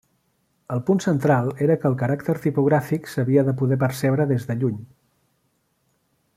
El punt central era que el caràcter tipogràfic s'havia de poder percebre des de lluny.